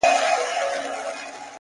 • سایه یې نسته او دی روان دی،